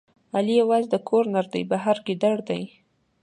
علي یوازې د کور نردی، بهر ګیدړ دی.